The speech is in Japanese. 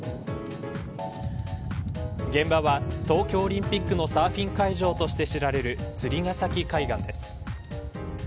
現場は東京オリンピックのサーフィン会場として知られる釣ヶ崎海岸です。